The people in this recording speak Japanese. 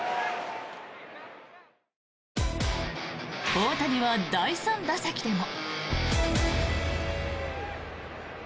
大谷は第３打席でも。